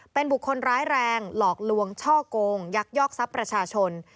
เป็นบุคคลร้ายแรงหลอกลวงช่อกงยักยอกทรัพย์ประชาชน